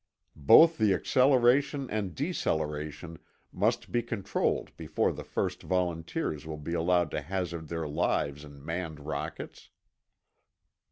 Both the acceleration and deceleration must be controlled before the first volunteers will be allowed to hazard their lives in manned rockets.